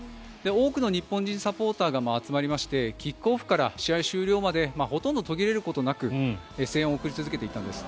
多くの日本人サポーターが集まりましてキックオフから試合終了までほとんど途切れることなく声援を送り続けていたんです。